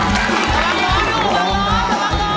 แล้วหวังนะ